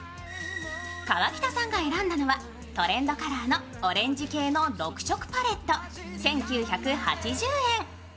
河北さんが選んだのは、トレンドカラーのオレンジ系の６色パレット、１９８０円。